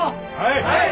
はい！